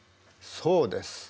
そうです。